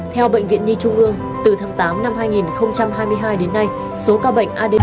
theo bệnh viện nhi trung ương từ tháng tám năm hai nghìn hai mươi hai đến nay số ca bệnh ada